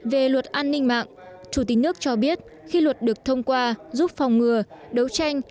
về luật an ninh mạng chủ tịch nước cho biết khi luật được thông qua giúp phòng ngừa đấu tranh